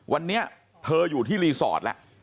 วันนี้เธออยู่ที่รีสอร์ทแล้ว